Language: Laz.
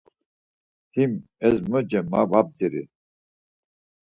Him ezmoce ma va bziri.